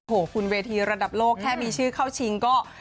โอ้โหคุณเวทีระดับโลกแค่มีชื่อเข้าชิงก็